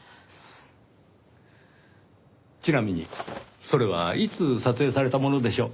ちなみにそれはいつ撮影されたものでしょう？